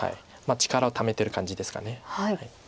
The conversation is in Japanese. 力をためてる感じですか。